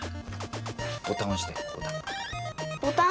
ボタン押して、ボタン。